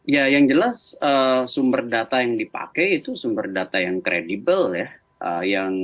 ya yang jelas sumber data yang dipakai itu sumber data yang kredibel ya